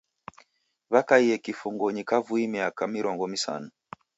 Wakaie kifungonyi kavui miaka mirongo msanu.